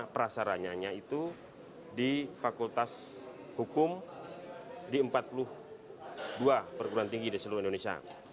prasaranya itu di fakultas hukum di empat puluh dua perguruan tinggi di seluruh indonesia